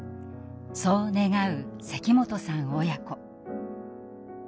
そう願う関本さん親子。